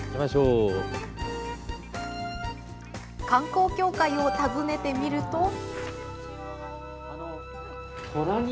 観光協会を訪ねてみると。